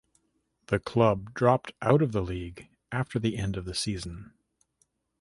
The club dropped out of the league after the end of the season.